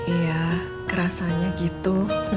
iya kerasanya gitu